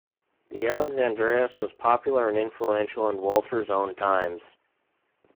The "Alexandreis" was popular and influential in Walter's own times.